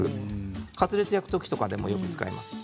カツレツを焼く時とかにもよく使います。